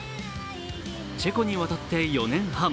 チェコに渡って４年半。